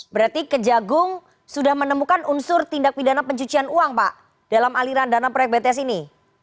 berarti kejagung sudah menemukan unsur tindak pidana pencucian uang pak dalam aliran dana proyek bts ini